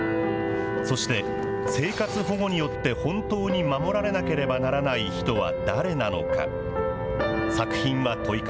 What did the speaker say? そして、生活保護によって本当に守られなければならない人は誰なのか。